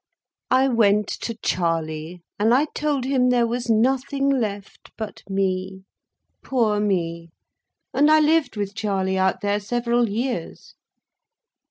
I went to Charley, and I told him there was nothing left but me, poor me; and I lived with Charley, out there, several years.